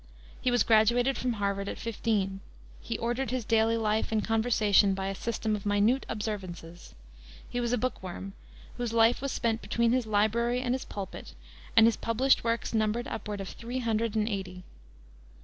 He was graduated from Harvard at fifteen. He ordered his daily life and conversation by a system of minute observances. He was a book worm, whose life was spent between his library and his pulpit, and his published works number upward of three hundred and eighty.